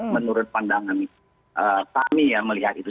menurut pandangan kami ya melihat itu